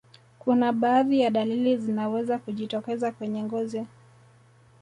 kuna baadhi ya dalili zinaweza kujitokeza kwenye ngozi